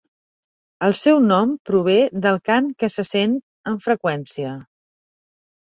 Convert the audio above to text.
El seu nom prové del cant que se sent amb freqüència.